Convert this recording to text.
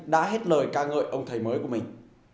đã hết lời ca ngợi ông thầy mới của mình